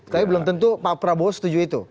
tapi belum tentu pak prabowo setuju itu